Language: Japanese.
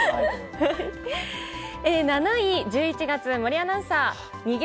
７位１１月生まれ、森アナウンサー。